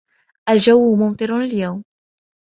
الجو ممطر اليوم.